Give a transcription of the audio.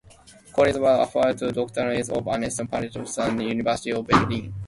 Cole was awarded a doctorate of Anatomy and Physiology at the University of Berlin.